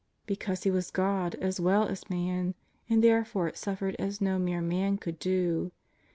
Because He was God as well as man, and therefore suffered as no mere man could do.